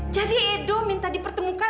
jadi edo minta dipertemukan